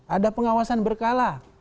ada pengawasan berkala